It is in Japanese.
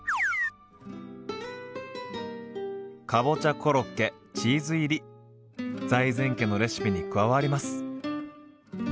かぼちゃコロッケチーズ入り財前家のレシピに加わります。